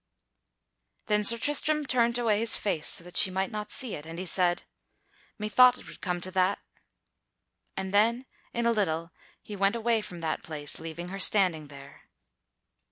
Then Sir Tristram turned away his face so that she might not see it, and he said, "Methought it would come to that." And then in a little he went away from that place, leaving her standing there.